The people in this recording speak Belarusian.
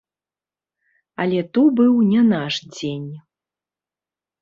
Але то быў не наш дзень.